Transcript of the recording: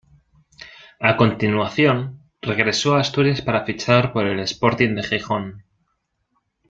A continuación, regresó a Asturias para fichar por el Sporting de Gijón.